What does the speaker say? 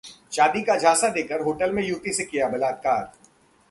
शादी का झांसा देकर होटल में युवती से किया बलात्कार